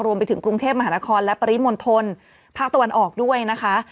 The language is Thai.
รวมไปถึงกรุงเทพมหานครและปริมณฑลภาคตะวันออกด้วยนะคะ